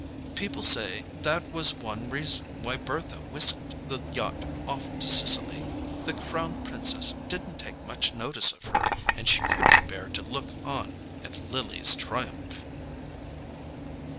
People say that was one reason why Bertha whisked the yacht off to Sicily: the Crown Princess didn't take much notice of her, and she couldn't bear to look on at Lily's triumph."